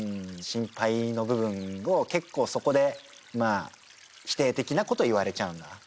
心配の部分を結構そこで否定的なこと言われちゃうんだな。